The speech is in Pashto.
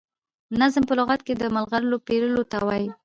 نظم په لغت کي د ملغرو پېيلو ته وايي.